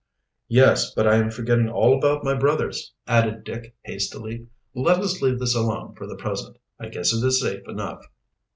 "Yes, but I am forgetting all about my brothers," added Dick hastily. "Let us leave this alone for the present. I guess it is safe enough."